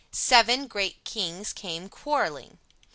Seven great kings came quarreling.